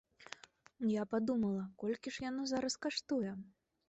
Я падумала, колькі ж яно зараз каштуе?